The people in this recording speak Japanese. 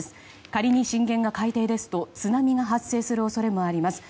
仮に震源が海底ですと津波が発生する恐れもあります。